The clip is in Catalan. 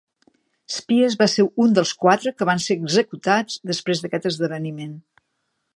Spies va ser un dels quatre que van ser executats després d'aquest esdeveniment.